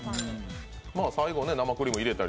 最後、生クリーム入れたり。